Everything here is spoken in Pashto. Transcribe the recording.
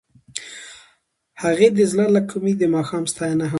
هغې د زړه له کومې د ماښام ستاینه هم وکړه.